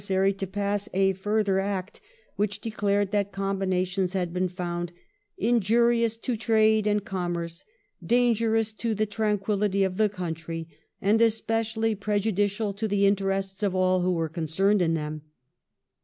«P1 NERAL PROSPERITY OF THE COUNTRY 75 a further Act which declared that combinations had been found "injurious to trade and commerce, dangerous to the tranquillity of the country, and especially prejudicial to the interests of all who were concerned in them".